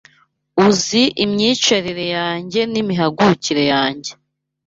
Uzi imyicarire yanjye n’imihagurukire yanjye